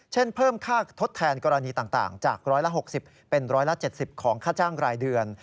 เช่นเพิ่มค่าทดแทนกรณีต่างจากร้อยละ๖๐เป็นร้อยละ๗๐ของค่าจ้างรายเดือน